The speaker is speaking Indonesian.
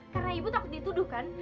karena ibu takut dituduhkan